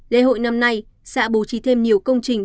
lê hội năm nay sẽ bố trí thêm nhiều công trình